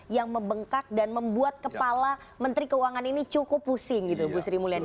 yang membengkak dan membuat kepala menteri keuangan ini cukup pusing gitu bu sri mulyani